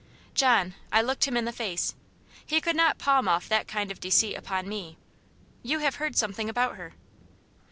"John!" I looked him in the face. He could not palm off that kind deceit upon me. "You have heard something about her?"